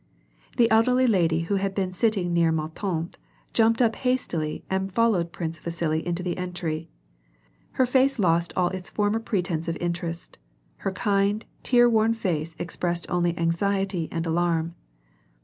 The elderly lady who had been sitting near Ma Tante jumped up haistily and followed Prince Vasili into the entry. Her face lost all its former pretence of interest. Her kind, tear worn face expressed only anxiety and alarm.